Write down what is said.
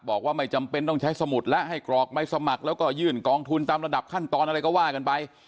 บอกว่าไม่จำเป็นต้องใช้สมุดและให้กรอกใบสมัครแล้วก็ยื่นกองทุนตามระดับขั้นตอนอะไรก็ว่ากันไป